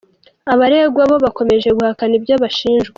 Abaregwa bo bakomeje guhakana ibyo bashinjwa.